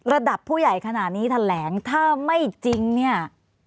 ระดับผู้ใหญ่ขนาดนี้แถลงถ้าไม่จริงเนี่ย